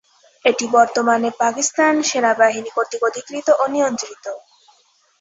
এটি বর্তমানে পাকিস্তান সেনাবাহিনী কর্তৃক অধিকৃত ও নিয়ন্ত্রিত।